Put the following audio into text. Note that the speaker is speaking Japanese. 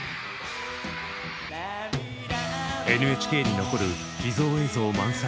ＮＨＫに残る秘蔵映像満載。